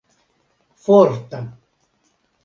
forta